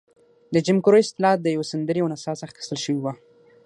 د جیم کرو اصطلاح د یوې سندرې او نڅا څخه اخیستل شوې وه.